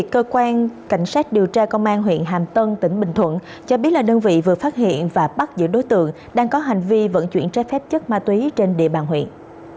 cơ quan cảnh sát điều tra công an huyện hàm tân tỉnh bình thuận cho biết là đơn vị vừa phát hiện và bắt giữ đối tượng đang có hành vi vận chuyển trái phép chất ma túy trên địa bàn huyện